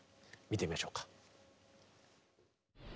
見てみましょうか。